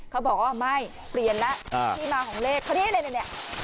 เขาบอกว่าไม่เปลี่ยนแล้วอ่าที่มาของเลขเพราะนี่แหละแหละแหละ